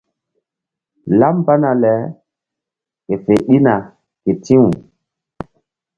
Laɓ mbana le ke fe ɗina ke ti̧w.